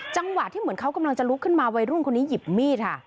จังหวะที่เหมือนเขากำลังจะลุกขึ้นมาวัยรุ่นคนนี้หยิบมีดค่ะ